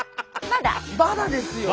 まだですよ。